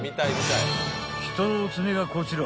［１つ目がこちら］